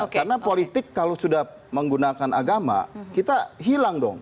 karena politik kalau sudah menggunakan agama kita hilang dong